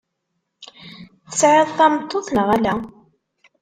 Tesɛiḍ tameṭṭut neɣ ala?